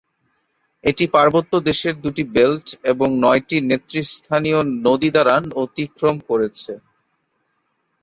এটি পার্বত্য দেশের দুটি বেল্ট এবং নয়টি নেতৃস্থানীয় নদী দ্বারা অতিক্রম করেছে।